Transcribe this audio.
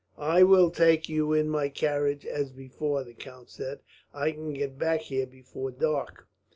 "I will take you in my carriage, as before," the count said. "I can get back here before dark."